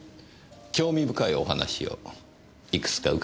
興味深いお話をいくつか伺いました。